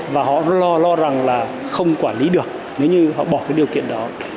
và họ lo lo rằng là không quản lý được nếu như họ bỏ cái điều kiện đó